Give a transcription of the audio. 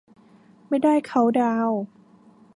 ไม่ได้เคานท์ดาวน์